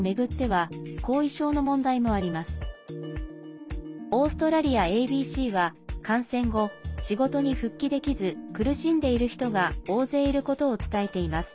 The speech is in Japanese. ＡＢＣは感染後、仕事に復帰できず苦しんでいる人が大勢いることを伝えています。